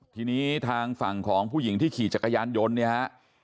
ทีนี้ทางฝั่งของผู้หญิงที่ขี่จักรยานยนต์เนี่ยฮะ